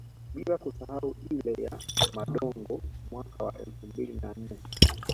Bila kusahau ile ya Mondongo mwaka wa elfu mbili na nne